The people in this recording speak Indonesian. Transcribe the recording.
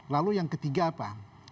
lalu yang ketiga apa